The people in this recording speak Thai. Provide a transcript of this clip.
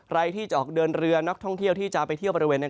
ใครที่จะออกเดินเรือนนอกท่องเที่ยวที่จะไปเที่ยว